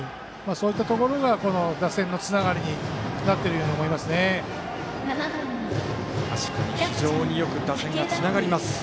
そういったところがこの打線のつながりになっているように思いますね。